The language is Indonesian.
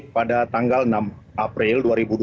pada tanggal enam april dua ribu dua puluh